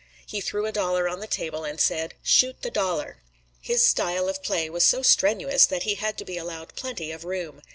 He threw a dollar on the table and said: "Shoot the dollar." His style of play was so strenuous that he had to be allowed plenty of room.